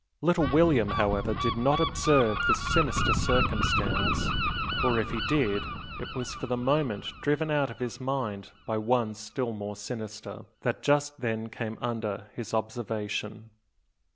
Little William, however, did not observe this sinister circumstance; or if he did, it was for the moment driven out of his mind by one still more sinister, that just then came under his observation.